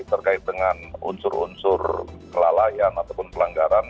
terkait dengan unsur unsur kelalaian ataupun pelanggaran